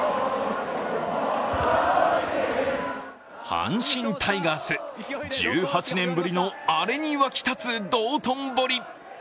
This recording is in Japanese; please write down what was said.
阪神タイガース、１８年ぶりのアレに沸き立つ道頓堀。